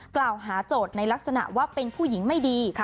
กล่าวหาโจทย์ในลักษณะว่าเป็นผู้หญิงไม่ดี